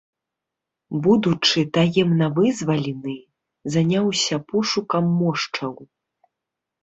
Будучы таемна вызвалены, заняўся пошукам мошчаў.